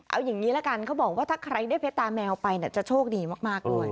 เอาอย่างนี้ละกันเขาบอกว่าถ้าใครได้เพชรตาแมวไปจะโชคดีมากด้วย